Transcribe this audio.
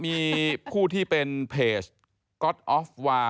ไม่รู้ว่าใครชกต่อยกันอยู่แล้วอะนะคะ